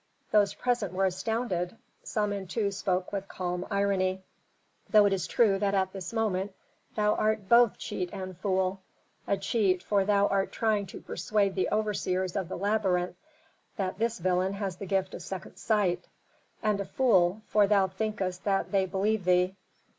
Those present were astounded. Samentu spoke with calm irony. "Though it is true that at this moment thou art both cheat and fool. A cheat, for thou art trying to persuade the overseers of the labyrinth that this villain has the gift of second sight; and a fool, for thou thinkest that they believe thee.